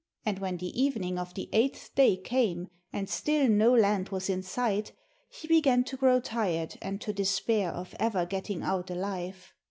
And when the evening of the eighth day came and still no land was in sight, he began to grow tired and to despair of ever getting out alive.